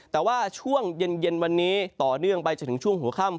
แต่ว่าช่วงเย็นวันนี้ต่อเนื่องไปจนถึงช่วงหัวค่ำ